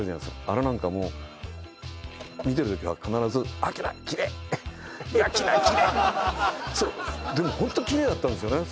あれなんかも見てる時は必ずでもホントキレイだったんですよね